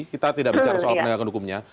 kita tidak bicara soal penegakan hukumnya